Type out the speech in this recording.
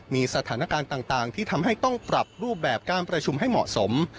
มีสถานการณ์ต่างที่ทำให้ต้องปรับรูปแบบการประชุมให้เหมาะสม